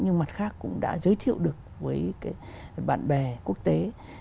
nhưng mặt khác cũng đã giới thiệu được với cái bạn bè quốc tế